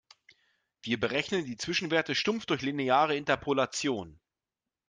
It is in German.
Wir berechnen die Zwischenwerte stumpf durch lineare Interpolation.